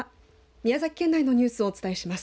宮崎県内のニュースをお伝えします。